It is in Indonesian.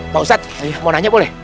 pak ustadz mau nanya boleh